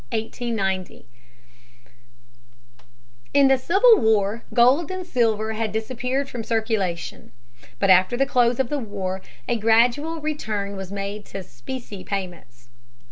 ] 466. The Sherman Silver Law, 1890. In the Civil War gold and silver had disappeared from circulation. But after the close of the war a gradual return was made to specie payments.